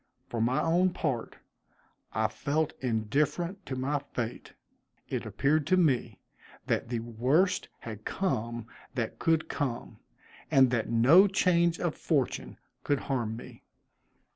For my own part, I felt indifferent to my fate. It appeared to me that the worst had come that could come, and that no change of fortune could harm me.